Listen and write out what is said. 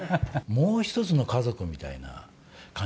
もう一つの家族みたいな感じはしますよね。